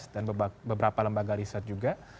dan beberapa lembaga riset juga